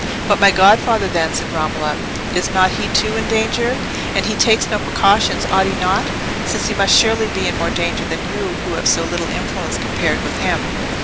"But my godfather, then," said Romola; "is not he, too, in danger? And he takes no precautions—ought he not? since he must surely be in more danger than you, who have so little influence compared with him."